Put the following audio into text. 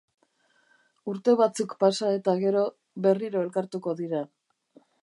Urte batzuk pasa eta gero, berriro elkartuko dira.